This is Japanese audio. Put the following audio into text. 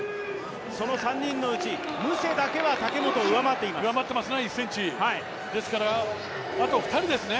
その３人のうち１人だけは武本を上回っています。